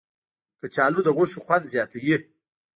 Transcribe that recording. کچالو د غوښو خوند زیاتوي